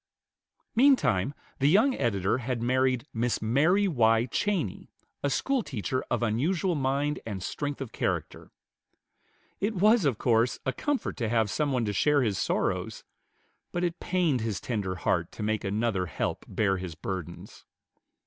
Meantime the young editor had married Miss Mary Y. Cheney, a schoolteacher of unusual mind and strength of character. It was, of course, a comfort to have some one to share his sorrows; but it pained his tender heart to make another help bear his burdens.